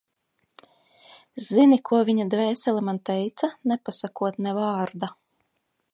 Zini, ko viņa dvēsele man teica, nepasakot ne vārda?